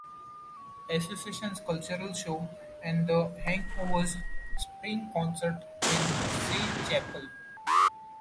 Association's cultural show, and The Hangovers' spring concert in Sage Chapel.